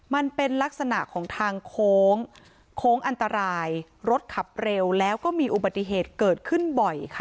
มันเป็นลักษณะของทางโค้งโค้งอันตรายรถขับเร็วแล้วก็มีอุบัติเหตุเกิดขึ้นบ่อยค่ะ